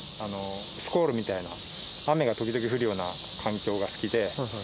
スコールみたいな雨がときどき降るような環境が好きで。